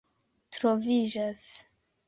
troviĝas